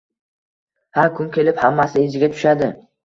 Hali kun kelib, hammasi iziga tushadi